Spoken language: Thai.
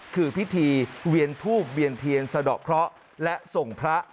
คือพิธีเวียนทูบเวียนเทียนสะดอกเคราะห์และส่งพระ